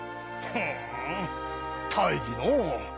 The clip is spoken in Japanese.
ふん大義のう。